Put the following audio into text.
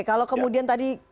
kalau kemudian tadi